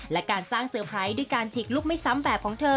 และการสร้างเซอร์ไพรส์ด้วยการฉีกลุกไม่ซ้ำแบบของเธอ